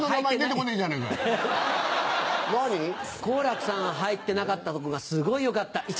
好楽さん入ってなかったとこがすごい良かった！